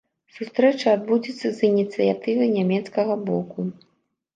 Сустрэча адбудзецца з ініцыятывы нямецкага боку.